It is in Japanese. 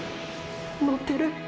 乗ってる！！